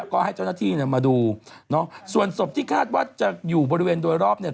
ก็ให้เจ้าหน้าที่เนี่ยมาดูเนอะส่วนศพที่คาดว่าจะอยู่บริเวณโดยรอบเนี่ย